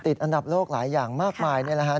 อันดับโลกหลายอย่างมากมายนี่แหละฮะ